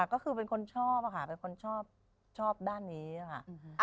ก็คือเป็นคนชอบค่ะเป็นคนชอบด้านนี้ค่ะ